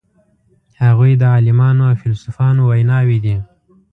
هغوی د عالمانو او فیلسوفانو ویناوی دي.